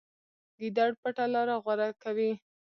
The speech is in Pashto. ګیدړ پټه لاره غوره کوي.